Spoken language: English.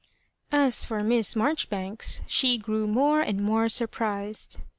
As for Miss Marjoribanks, she g^ew more and more surprised.